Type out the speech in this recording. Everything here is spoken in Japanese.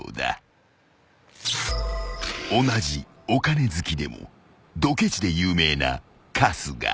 ［同じお金好きでもどケチで有名な春日］